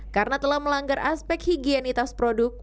karena telah melanggar aspek higienitas produk